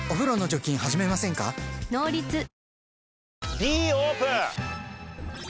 Ｄオープン！